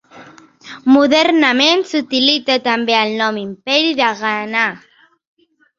Modernament s'utilitza també el nom Imperi de Ghana.